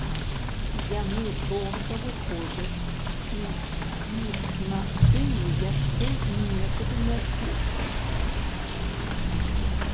Яны проста выходзяць, і іх на сцэне яшчэ некуды нясе.